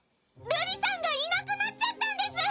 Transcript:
瑠璃さんがいなくなっちゃったんです！